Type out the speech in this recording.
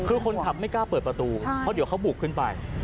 คือคนขับไม่กล้าเปิดประตูเพราะเดี๋ยวเขาบุกขึ้นไป